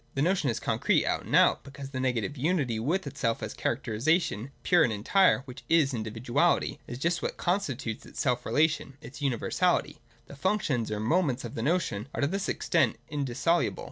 164.] The notion is concrete out and out : because the negative unity with itself, as characterisation pure and entire, which is individuality, is just what constitutes its self relation, its universality. The functions or ' moments ' of the notion are to this extent indissoluble.